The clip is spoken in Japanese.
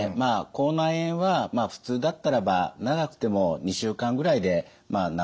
口内炎はふつうだったらば長くても２週間ぐらいで治ると思います。